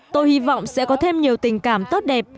tôi hy vọng sẽ có thêm nhiều tình cảm tốt đẹp